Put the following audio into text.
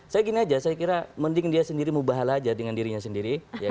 saya gini aja saya kira mending dia sendiri mubahala aja dengan dirinya sendiri